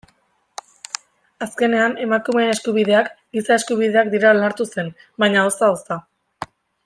Azkenean emakumeen eskubideak giza eskubideak direla onartu zen, baina ozta-ozta.